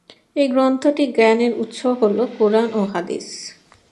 এই গ্রন্থটির জ্ঞানের উৎস হল কুরআন ও হাদিস।